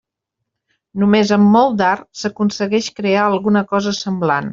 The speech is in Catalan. Només amb molt d'art s'aconsegueix crear alguna cosa semblant.